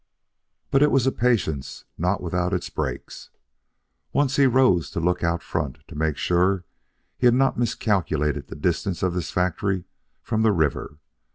But it was a patience not without its breaks. Once he rose to look out front to make sure he had not miscalculated the distance of this factory from the river.